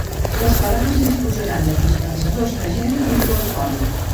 Les parades disposaran de dispensadors de gel hidroalcohòlic.